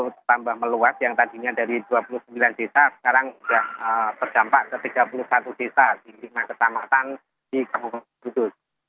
bahkan turut tambah meluas yang tadinya dari dua puluh sembilan desa sekarang berdampak ke tiga puluh satu desa di lima ketamatan di kwt kudus